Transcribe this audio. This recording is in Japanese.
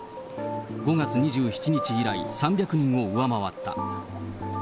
５月２７日以来３００人を上回った。